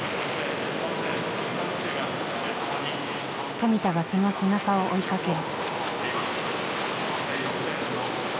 富田がその背中を追いかける。